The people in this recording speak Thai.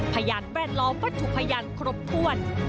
พยานแบนล้อประถุพยานครบถ้วน